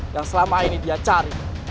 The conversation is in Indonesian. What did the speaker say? yang selama ini dia cari